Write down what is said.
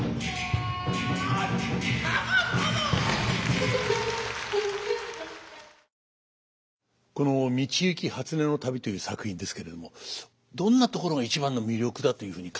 まっさかさまこの「道行初音旅」という作品ですけれどもどんなところが一番の魅力だというふうに感じてらっしゃいますか？